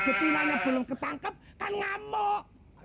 ketinanya belum ketangkep ngamuk